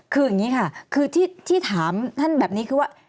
คืออย่างนี้ค่ะคือที่ถามท่านแบบนี้คือว่า